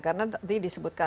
karena tadi disebutkan